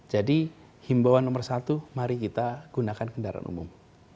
jadi himbauan nomor satu mari kita gunakan kendaraan umum